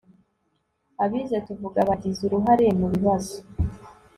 abize tuvuga bagize uruhare mu bibazo